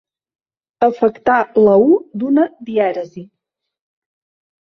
Afectar la u d'una dièresi.